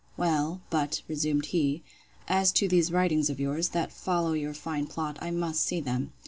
Well, but, resumed he, as to these writings of yours, that follow your fine plot, I must see them.